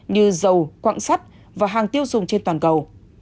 như dầu quạng sắt và hàng tiêu dùng trên toàn cầu